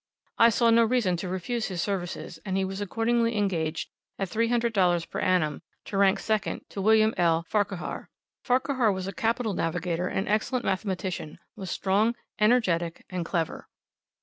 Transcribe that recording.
I saw no reason to refuse his services, and he was accordingly engaged at $300 per annum, to rank second to William L. Farquhar. Farquhar was a capital navigator and excellent mathematician; was strong, energetic, and clever.